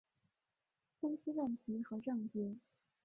分析问题和症结